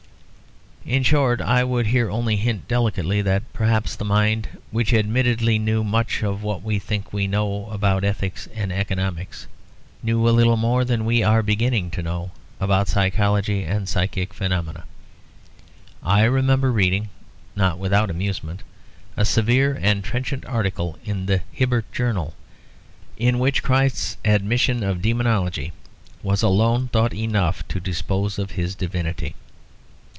In short, I would here only hint delicately that perhaps the mind which admittedly knew much of what we think we know about ethics and economics, knew a little more than we are beginning to know about psychology and psychic phenomena. I remember reading, not without amusement, a severe and trenchant article in the Hibbert Journal, in which Christ's admission of demonology was alone thought enough to dispose of his divinity.